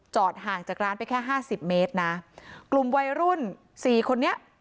ห่างจากร้านไปแค่ห้าสิบเมตรนะกลุ่มวัยรุ่นสี่คนนี้